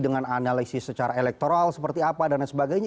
dengan analisis secara elektoral seperti apa dan lain sebagainya